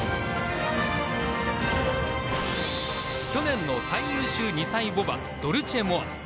去年の最優秀２歳牡馬ドルチェモア。